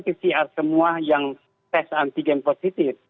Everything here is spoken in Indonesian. pcr semua yang tes antigen positif